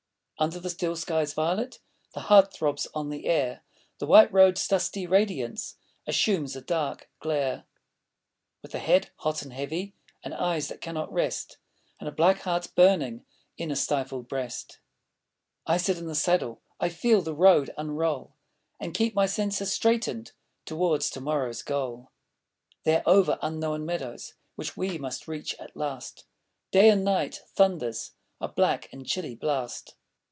Under the still sky's violet The heat thróbs on the air.... The white road's dusty radiance Assumes a dark glare. With a head hot and heavy, And eyes that cannot rest, And a black heart burning In a stifled breast, I sit in the saddle, I feel the road unroll, And keep my senses straightened Toward to morrow's goal. There, over unknown meadows Which we must reach at last, Day and night thunders A black and chilly blast.